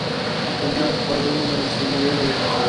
د کندهار پخوانی نوم الکسندریا و